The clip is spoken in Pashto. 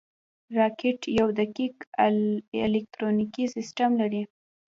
راکټ یو دقیق الکترونیکي سیستم لري